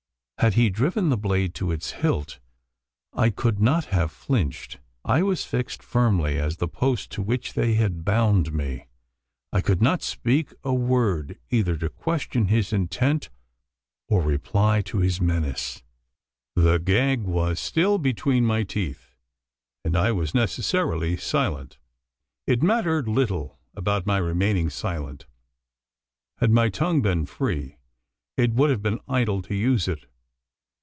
Had he driven the blade to its hilt, I could not have flinched: I was fixed firmly as the post to which they had bound me. I could not speak a word either to question his intent, or reply to his menace. The gag was still between my teeth, and I was necessarily silent. It mattered little about my remaining silent. Had my tongue been free, it would have been idle to use it.